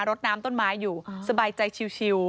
ดน้ำต้นไม้อยู่สบายใจชิว